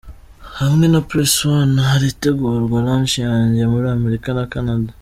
Hamwe na Press One harategurwa Launch yanjye muri Amerika na Canada.